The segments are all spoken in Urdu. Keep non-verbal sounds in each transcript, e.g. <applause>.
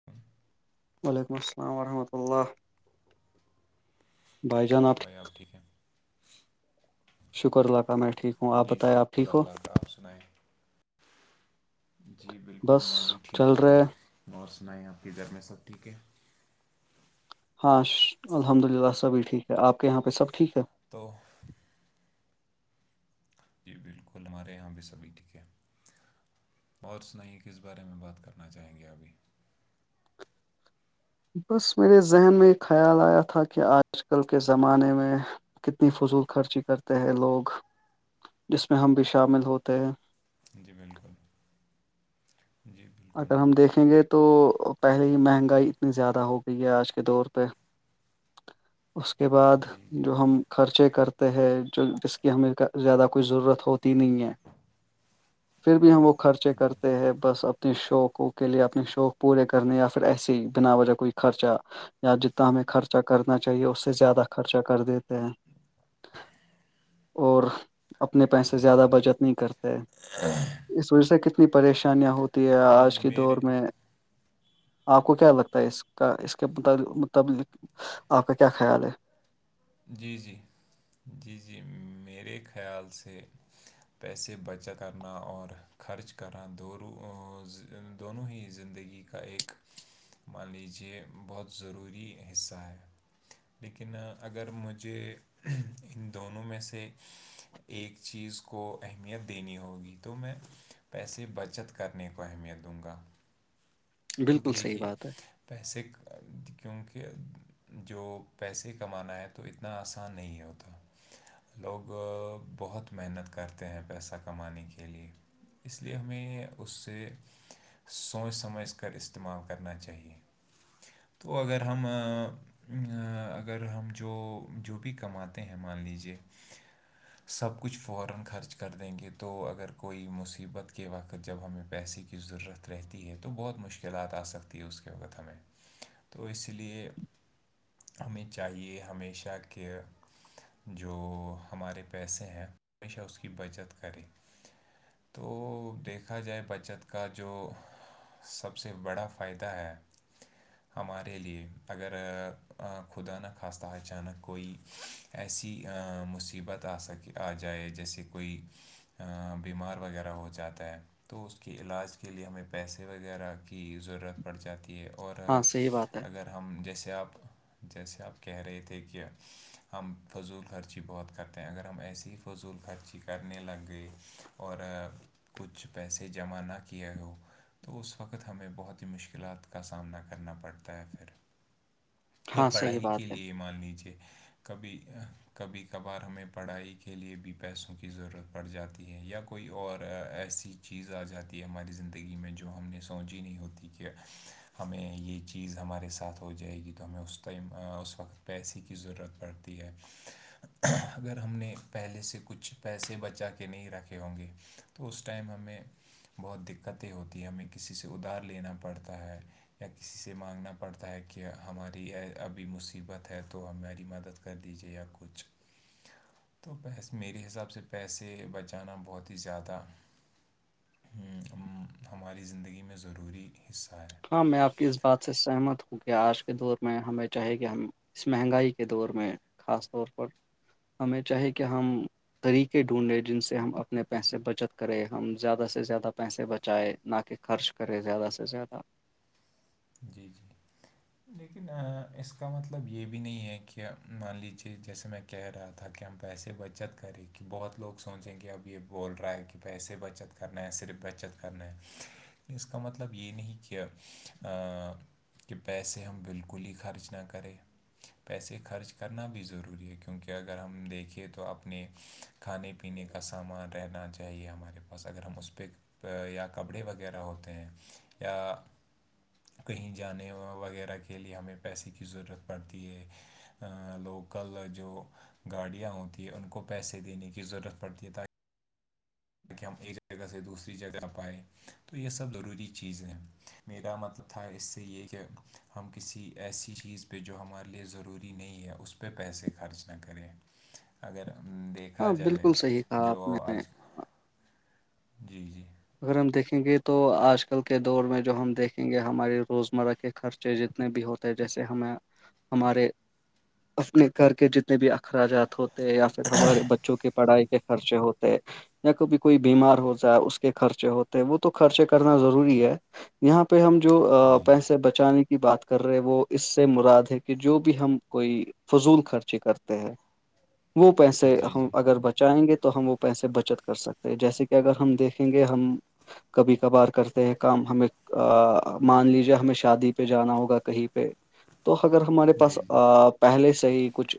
<unintelligible> وعلیکم السلام ورحمۃ اللہ کیال ہے بھائی آپ ٹھیک ہیں شکر اللہ کاا میں ٹھیک ہوں آپ جی بتائیں آپ شکر ٹھیک ہو اللہ کا آپ سنائیں جی بالکل بس میں بھی ٹھیک چل رہے ہے۔ ہوں اور سنائ آپ کے گھر میں سب ٹھیک ہے ہاں الحمد للہ سبھی ٹھیک ہے آپ کے یہاں پہ سب ٹھیک ہے تو <unintelligible> جی بالکل ہمارے یہاں پہ سبھی ٹھیک ہیں اور سنائیے کس بارے میں بات کرنا چاہیں گے ابھی بس میرے ذہن میں خیال آیا تھا کہ آج کل کے زمانے میں کتنی فضول خرچی کرتے ہیں لوگ جس میں ہم بھی شامل ہوتے ہیں جی بالکل جی بالکل اگر ہم دیکھیں گے تو پہلے ہی مہنگائی اتنی زیادہ ہو گئی ہے آج کے دور پہ اس کے بعد جی جی جو ہم خرچے کرتے ہے جو جس کی ہمیں زیادہ کوئی ضرورت ہوتی نہیں ہے پھر بھی ہم وہ خرچے جی کرتے ہیں بس ا اپنے شوقوں کے لیے اپنے شوق پورے کرنے یا پھر ایسے ہی بنا وجہ کوئی خرچہ یا جتنا ہمیں خرچہ کرنا چاہیے اس سے زیادہ خرچہ کر دیتے ہیں اور اپنے پیسے جی زیادہ جی بچت نہیں کرتے اس وجہ سے کتنی پریشانیاں ہوتی ہو ہے جی جی آج کے دور میرے میں آپ کو کیا لگتا ہے اس کا اس کے متعلق آپ کا کیا خیال ہے جی جی جی جی میرے خیال سے پیسے بچا کرنا اور خرچ کرنا دون دونوں ہی زندگی کا کا ایک مان لیجیے بہت ضروری حصہ ہے لیکن اگر مجھے ان دونوں میں سے ایک چیز کو اہمیت دینی ہوگی تو میں پیسے بچت کرنے کو اہمیت دوں گا بالکل کیونکہ صحیح دیکھیے بات ہے پیسے کیونکہ جو پیسے کمانا ہے تو اتنا آسان نہیں ہوتا لوگ بہت محنت کرتے ہیں پیسہ کمانے کے لیے اس لیے ہمیں اس سے سوچ سمجھ کا استعمال کرنا چاہیے تو اگر ہم اگر ہم جو جو بھی کماتے ہیں مان لیجیے سب کچھ فورا خرچ کر دیں گے تو اگر کوی مصیبت کے وقت جب ہمیں پیسے ضرورت رہتی ہے تو بہت مشکل مشکلات آ سکتی ہے اس کے وقت ہمیں تو اس لیے ہمیں چاہیے ہمیشہ کہ جو ہمارے پیسے ہیں ہمیشہ اس کی بچت کرے تو دیکھا جائے بچت کا جو سب سے بڑا فائدہ ہے ہمارے لیے اگر خدا نہ خواستہ اچانک کوئی ایسی مصیبت آ سکے آ جائے جیسے کوئی بیمار وغیرہ ہو جاتا ہے تو اس کے علاج کے لیے ہمیں پیسے وغیرہ کی کی ضرورت پڑ جاتی ہے اور ہاں صحیح بات ہے اگر ہم جیسے آپ جیسے آپ کہہ رہے تھے کہ ہم فضول خرچی بہت کرتے ہیں اگر ہم ایسی ہی فضول خرچی کرنے لگے اور کچھ پیسے جمع نہ کیے ہو تو اس وقت خقت ہمیں بہت ہی مشکلات کا سامنا کرنا پڑتا ہے پھر یا ہاں صحیح پڑھائی بات کے ہے لیے مان لیجیے کبھی کبھی کبھار ہمیں پڑھائی کے لیے بھی پیسوں کی ضرورت پڑ جاتی ہے یا کوئی اور ایسی چیز آ جاتی ہے ہماری زندگی میں جو ہم نے سمج ہی نہیں ہوتی کہ ہمیں یہ چیز ہمارے ساتھ ہو جائے گی تو ہمیں اس ائم اس وقت پیسے کی ضرورت پڑ <inaudible> اگر ہم نے پہلے سے کچھ پیسے بچا کے نہیں رکھے ہوں گے تو اس ٹائم ہمیں بہت دقتیں ہوتی ہیں ہمیں کسی سے ادھار لینا پڑتا ہے یا کسی سے مانگنا پڑتا ہے کہ ہماری ابھی مصیبت ہے تو ہماری مدد کر دی جیا کچھ <inaudible> تو پیس میرے حساب سے پیسے بچانا بہت ہی زیادہ ہماری زندگی میں ضروری حصہ ہے ہاں میں آپ کی اس بات سے سہمت ہوں کہ آج کے دور میں ہمیں چاہے کہ ہم اس مہنگائی کے دور میں خاص طور پر ہمیں چاہے کہ ہم طریقے ڈھونڈے جن سے ہم اپنے پیسے بچت کرے ہم زیادہ سے زیادہ پیسے بچائے نہ کہ خرچ کرے زیادہ سے زیادہ جی جی لیکن اس کا مطلب یہ بھی نہیں ہے کہ مان لیجیے جیسے میں کہہ رہا تھا کہ ہم پیسے بچت کریں کہ بہت لوگ سوچیں کہ اب یہ بول رہا ہے کہ پیسے بچت کرنا ہے صرف بچت کرنا ہے اس کا مطلب یہ نہیں کہ کہ پیسے ہم بالکل ہی خرچ نہ کریں پیسے خرچ کرنا بھی ضروری ہے کیونکہ اگر ہم دیکھیں تو اپنے کھانے پینے کا سامان رہنا چاہیے ہمارے پاس اگر ہم اس پہ یا کپڑے وغیرہ ہوتے ہیں یا کہیں جانے وغیرہ کے لیے ہمیں پیسے کی ضرورت پڑتی ہے لوکل جو گاڑیاں ہوتی ہیں ان کو پیسے دینے کی ضرورت پڑتی ہے تاکہ ت کہ ہم ایک جگہ سے دوسری جگہ پائ تو یہ سب ضروری چیزیں ہیں میرا مطلب تھا اس سے یہ کہ ہم کسی ایسی چیز پہ جو ہمارے لیے ضروری نہیں ہے اس پہ پیسے خرچ نہ کریں اگر دیکھا ہاں جائے بالکل صحیح کہا جو آپ نے آج کل اگر جی جی اگر ہم دیکھیں گے تو آج کل کے دور میں جو ہم دیکھیں گے ہمارے روزمرہ کے خرچ جتنے بھی ہوتے جیسے ہمیں ہمارے اپنے گھر کے جتنے بھی اخراجات ہوتے ہیں یا پھر ہمارے بچوں کی پڑھائی کے خرچے ہوتے یا کبھی کوئی بیمار ہو جائے اس خرچے ہوتے وہ تو خرچے کرنا ضروری ہے یہاں پہ ہم جو جی پیسے بچ پہنچانے کی بات کر رہے وہ اس سے مراد ہے کہ جو بھی ہم کوئی فضول خرچی کرتے ہیں وہ پیسے جی ہم جی اگر بچائیں گے تو ہم وہ پیسے بچت کر سکتے ہیں جیسے کہ اگر ہم دیکھ کیونکہ ہم کبھی کبھار کرتے ہیں کام ہمیں مان لیجیے ہمیں شادی پہ جانا ہوگا کہیں پہ تو اگر ہمارے پاس جی جی پہلے سے ہی کچھ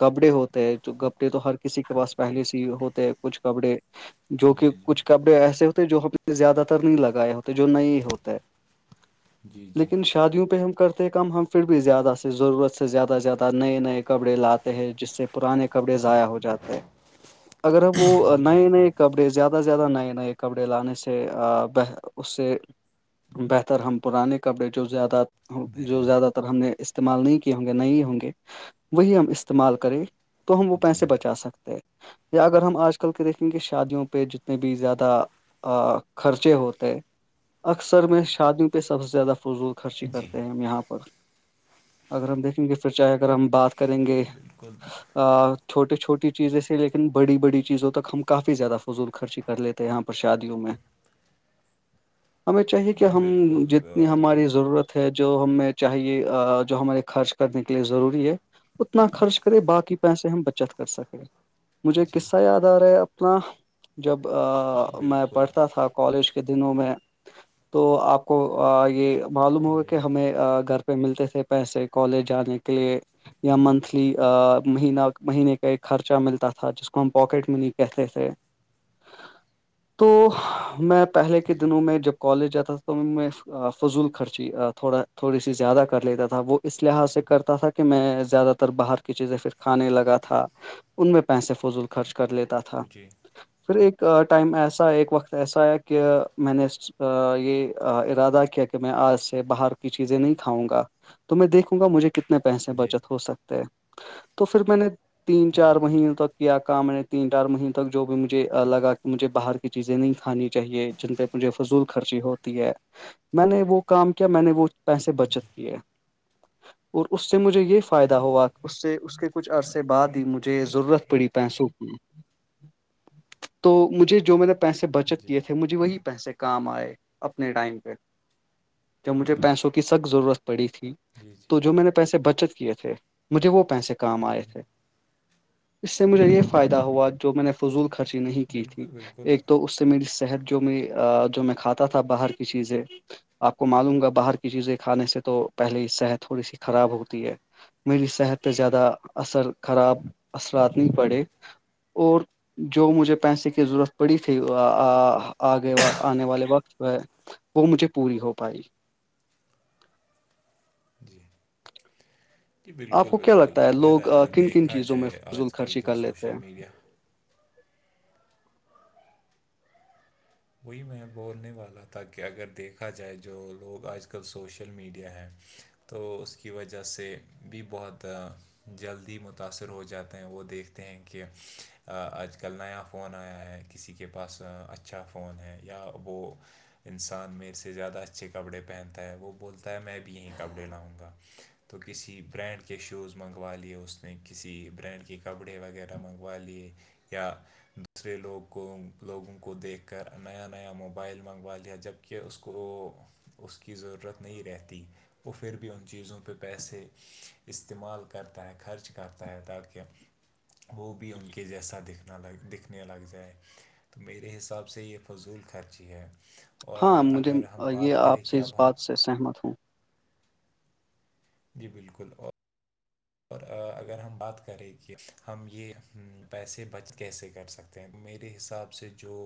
کپڑے ہوتے ہیں تو کپڑے تو ہر کسی کے پاس پہلے سے ہی ہوتے کچھ کپڑے جو کہ جی کچھ کپڑے ایسے ہوتے جو ہم نے زیادہ تر نہیں لگائے ہوتے جو نہیں ہوتے جی جی جی لیکن شادیوں پہ ہم کرتے کام ہم پھر بھی زیادہ سے ضرورت سے زیادہ سے زیادہ نئے نئے کپڑے لاتے ہیں جس سے پرانے کپڑے ضائع ہو جاتے ہیں اگر ہمب وہ جی نئے بالکل نئے کپڑے زیادہ زیاد سے زیادہ نئے نئے کپڑے لانے سے ب اس سے بہتر ہم پرانے کپڑے جو زیادہ جو بہتر زیادہ ہم نے استعمال نہیں کیے ہوں گے نہیں ہوں گے وہی ہم استعمال کریں تو ہم وہ جی پیسے بچا سکتے ہیں یا اگر ہم آج کل کے دیکھیں گے شادیوں پہ میں بھی زیادہ خرچے ہوتے اکثر میں شادیوں پہ سب سے زیادہ فضول خرچی جی کرتے ہیں ہم یہاں پر اگر ہم دیکھیں گے پھر چاہے اگر ہم بات کریں گے جی بالکل چھوٹی چھوٹی چیزیں سے لیکن بڑی بڑی چیزوں تک ہم کافی زیادہ فضول خرچے کر لیتے یہاں پر شادیوں میں ہمیں چاہیے کہ جی ہم بالکل جتنی آ، یہ ہماری تھا ضرورت جو ہمیں چاہیے جو ہمارے خرچ کرنے کے لیے ضروری ہے اتنا خرچ کرے باقی پیسے ہم بچت کر سکتے مجھے جی قصہ یاد آ رہا ہے اپنا جب جی میں بالکل پڑھتا تھا کالج کے دنوں میں تو آپ کو یہ معلوم ہوگا جی کہ ہمیں گھر پہ ملتے تھے پیسے کالج جانے کے لیے یا منتھلی مہینہ مہینے کا ایک خرچہ ملتا تھا جس کو ہم پواکیٹ منی کہتے تھے تو میں پہلے کے جی دنوں میں جب کالج جاتا تھا تو میں فضول خرچی تھوڑا تھوڑی سی زیادہ کر لیتا تھا وہ اس لحاظ سے کرتا تھا کہ میں زیادہ تر باہر کی چیزیں کھانے لگا تھا ان میں پیسے فضول خرچ کر لیتا تھا جی پھر ایک ٹائم ایسا ہے ایک وقت ایسا ہے کہ میں نے اس یہ ارادہ کیا کہ میں آج سے باہر کی چیزیں نہیں کھاؤں گا تو میں دیکھوں گا مجھے کتنے پیسے جی جی بچت ہو سکتے ہیں تو پھر میں نے تین چار جی جی مہینوں تک کیا کام نے تین چار مہیوں تک جو بھی م مجھ لگا کہ مجھے باہر کی چیزیں نہیں کھانی چاہیے جن پہ مجھے فضول خرچی ہوتی ہے میں نے وہ کام کیا میں نے وہ پیسے بچت کیے اور اس سے مجھے یہ فائدہ ہوا کہ اس سے اس کے کچھ عرصے بعد ہی مجھے ضرورت پڑی پیسوں کی تو مجھے جو میں نے پیسے بچت جی کیے تھے مجھے وہی پیسے کام آئے اپنے ٹائم پہ تو مجھے پیسوں کی سخت ضرورت پڑی تھی جی جی جو میں نے پیسے بچت کیے تھے مجھے وہ پیسے کام آئے جی تھے اس سے مجھے یہ جی فائدہ ہوا جو میں نے فضول خرچی نہیں کی تھی بالکل بالکل ایک تو اس میری صحت جو میں جو میں کھاتا تھا باہر کی چیزیں آپ کو معلوم گا باہر کی چیزیں کھانے سے تو پہلے صحت تھوڑی سی خراب ہوتی ہے میری صحت پہ زیادہ اثر خراب اثرات جی نہیں پڑے اور جو مجھے پیسے کی ضرورت پڑی تھی آگے آنے والے وقت پہ وہ مجھے پوری ہو پائی جی جی آپ بالکل کو کیا بالکل لگتا ہے اگر لوگ کن کن دیکھا چیزوں میں جائے فضول آج کل خرچی جو کر لیتے سوشل ہیں میڈیا وہی میں بولنے والا تھا کہ اگر دیکھا جائے جو لوگ آج کل سوشل میڈیا ہے تو اس کی وجہ سے بھی بہت جلدی متاثر ہو جاتے ہیں وہ دیکھتے ہیں کہ آج کل نیا فون آیا ہے کسی کے پاس اچھا فون ہے یا وہ انسان میرے سے زیادہ اچھے کپڑے پہنتا ہے وہ بولتا ہے میں بھی یہیں کپڑے لاؤں گا تو کسی برانڈ کے شوز منگوا لیے اس نے کسی برانڈ کے کپڑے وغیرہ منگوا لیے یا دوسرے لوگ کو لوگوں کو دیکھ کر نیا نیا موبائل منگوا لیا جبکہ اس کو وہ اس کی ضرورت نہیں رہتی وہ پھر بھی ان چیزوں پہ پیسے استعمال کرتا ہے خرچ کرتا ہے تاکہ وہ بھی ان کے جیسا دکھنا لگ دکھنے لگ جائے تو میرے حساب سے سب سے یہ فضول خرچی ہے اور ہاں مجھے اگر ہم یہ بات کریں آپ سے کہ اس اب ہم بات سے سہمت ہوں جی بالکل اور اور اگر ہم بات کریں کہ ہم یہ پیسے بچ کیسے کر سکتے میرے حساب سے جو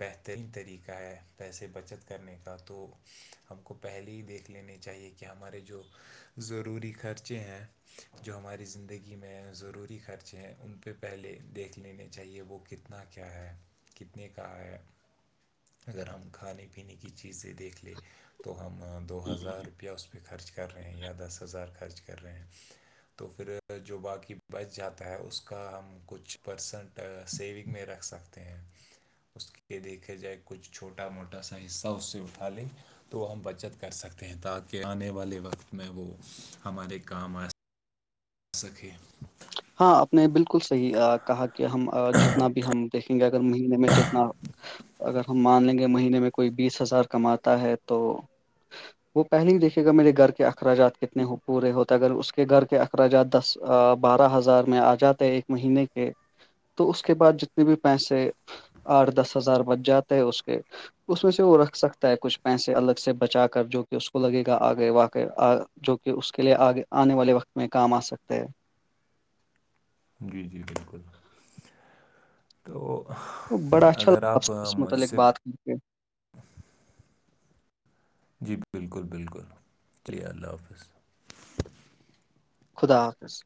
بہترین طریقہ ہے پیسے بچت کرنے کا تو ہم کو پہلے ہی دیکھ لنے چاہیے کہ ہمارے جو ضروری خرچے ہیں جو ہماری زندگی میں ضروری خرچے ہیں ان پہ پہلے دیکھ لینے چاہیے وہ کت کتنا کیا ہے کتنے کا ہے <unintelligible> اگر ہم کھانے پینے کی چیزیں دیکھ لیں تو ہم دو ہزار روپیہ اس پہ خرچ کر رہے ہیں یا دس ہزار خرچ کر رہے ہیں تو پھر جو باقی بچ جاتا ہے اس کا ہم کچھ پرسنٹ سیونگ میں رکھ سکتے ہیں اس کے دیکھا جائے کچھ چھوٹا موٹا سا حصہ اس سے اٹھا لے تو ہم بچت کر سکتے ہیں تاکہ آنے والے وقت میں وہ ہمارے کام سکے <inaudible> ہاں آپ نے بالکل صحیح کہا کہ ہم جتنا بھی ہم دیکھیں گے اگر مہینے میں جتنا اگر ہم مان لیں گے مہینے میں کوئی بیس ہزار کماتا ہے تو وہ پہل ہی دیکھے گا میرے گھر کے اخراجات کتنے ہو پورے ہوتے اگر اس کے گھر کے اراجات دس بارہ ہزار میں آ جاتا ایک مہینے کے <unintelligible> تو اس کے بعد جتنے بھی پیسے آٹھ دس ہزار بچ جاتے ہیں اس کے اس میں سے وہ رکھ سکتا ہے کچھ پیسے الگ سے بچا کر جو کہ اس کو لگے گا آگے واقع جو کہ اس کے لیے آگے آنے والے وقت میں کام آ سکتے ہے جی جی بالکل تو وہ بڑا اچھا اگر لگا آپ سے اس مجھ متعلق سے بات کرتے ہیں <inaudible> جی بالکل بالکل چلیے اللہ حافظ خدا حافظ